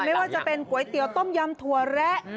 ไม่ว่าจะเป็นก๋วยเตี๋ยวต้มยำถั่วแระ